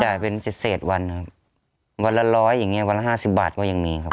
เป็นเศษวันครับวันละร้อยอย่างเงี้วันละห้าสิบบาทก็ยังมีครับ